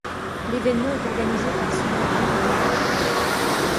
L'événement est organisé par Synergie Media.